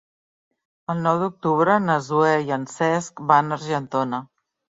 El nou d'octubre na Zoè i en Cesc van a Argentona.